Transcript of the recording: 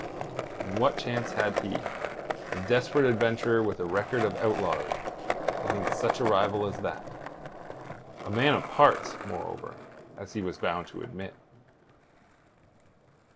And what chance had he, a desperate adventurer with a record of outlawry, against such a rival as that, a man of parts, moreover, as he was bound to admit?